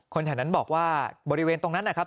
แถวนั้นบอกว่าบริเวณตรงนั้นนะครับ